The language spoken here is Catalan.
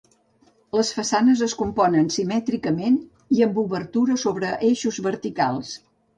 Les façanes es componen simètricament i amb obertures sobre eixos verticals.